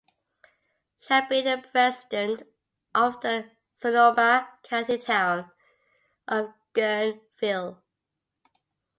She had been a resident of the Sonoma County town of Guerneville.